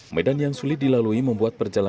medan yang sulit dilalui membuat perjalanan